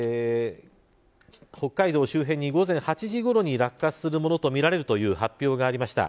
北海道周辺に午前８時ごろに落下するものとみられるという発表がありました。